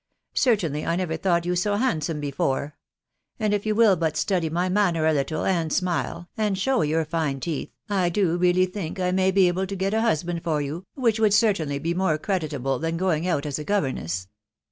Certainly I never thought you so handsome fcefore ; and if you will but study my manner a little, and* smile, and show your fine teeth, I do really think I may be able to get a hus band for you, which would certainly be •more creditable than going out as a governess..